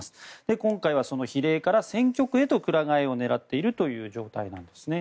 今回はその比例から選挙区へとくら替えを狙っているという状態なんですね。